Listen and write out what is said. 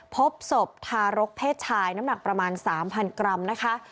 พบศพทารกเพศชายน้ำหนักประมาณ๓๐๐กรัมนะคะ